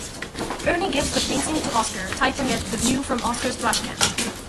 Ernie gives the painting to Oscar, titling it "The View From Oscar's Trash Can".